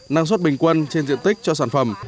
năng suất bình quân trên diện tích cho sản phẩm